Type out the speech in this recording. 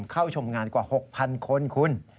เข้าชมงานกว่า๖๐๐๐คนคุณ